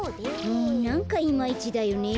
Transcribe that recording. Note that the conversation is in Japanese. うんなんかいまいちだよねぇ。